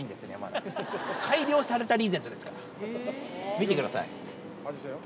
見てください。